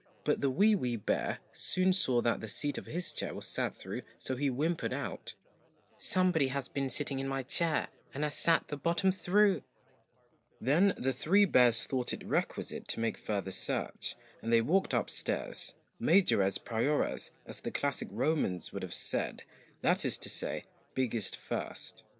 196 But the WEE WEE BEAR soon saw that the seat of THE his chair was sat through, so he whimpered out THREE ' SOMEBODY HAS BEEN SITTING IN MY CHAIR AND HAS SAT THE BOTTOM THROUGH!' Then the three bears thought it requisite to make further search, and they walked upstairs, ' majores priores,' as the classic Romans would have said, that is to say, biggest first.